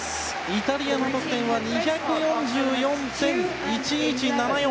イタリアの得点は２４４．１１７４。